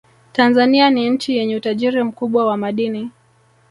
tanzania ni nchi yenye utajiri mkubwa wa madini